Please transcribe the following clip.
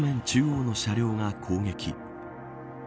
中央の車両が攻撃。